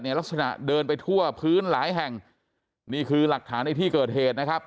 ลักษณะเดินไปทั่วพื้นหลายแห่งนี่คือหลักฐานในที่เกิดเหตุนะครับ